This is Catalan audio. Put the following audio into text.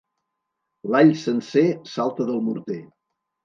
L'all sencer salta del morter.